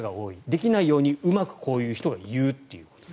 できないようにうまくこういう人が言うという。